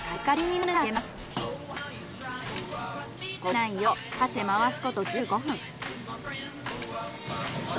焦げないよう箸で回すこと１５分。